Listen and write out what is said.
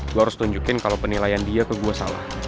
gue harus tunjukin kalau penilaian dia ke gue salah